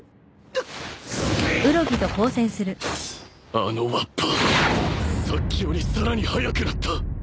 あのわっぱさっきよりさらに速くなった